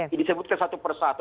ini disebutkan satu persatu